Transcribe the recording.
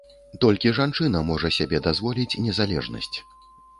Толькі жанчына можа сябе дазволіць незалежнасць.